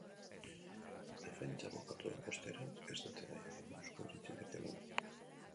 Defentsa abokatuek, ostera, ez dute gaiari buruzko iritzirik eman.